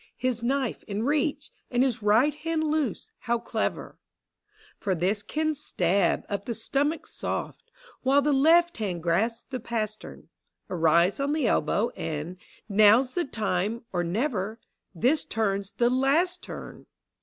His knife in reach, And his right hand Loose — how clever! For this can stab up the stomach's Boft, While the left hand grasps the pastern. A rise <>n the elbow, and — now's the time I >r never: this turn's the last turn!